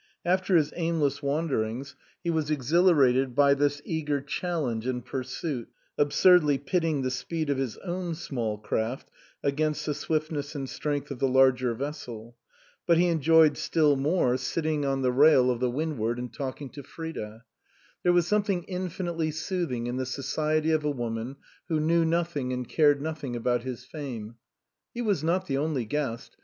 After his aimless wanderings he was exhilarated by this eager challenge and pursuit, absurdly pitting the speed of his own small craft against the swiftness and strength of the larger vessel. But he enjoyed still more sitting on the rail of 153 THE COSMOPOLITAN the Windward and talking to Frida. There was something infinitely soothing in the society of a woman who knew nothing and cared no thing about his fame. He was not the only guest.